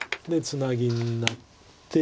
ツナギになって。